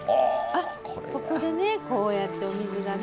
あっここでねこうやってお水がね。